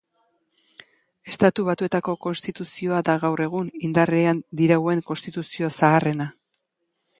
Estatu Batuetako Konstituzioa da gaur egun indarrean dirauen konstituzio zaharrena.